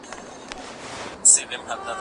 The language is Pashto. آیا ستاسو په سیمه کي ماشومان ښوونځي ته ځي؟